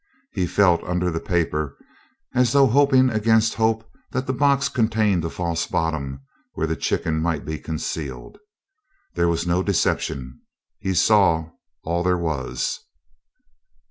He felt under the paper as though hoping against hope that the box contained a false bottom where the chicken might be concealed. There was no deception. He saw all there was.